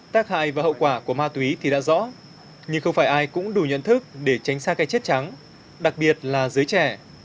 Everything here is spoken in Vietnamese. tác hại và hậu quả của ma túy thì đã rõ nhưng không phải ai cũng đủ nhận thức để tránh xa cây chết trắng đặc biệt là giới trẻ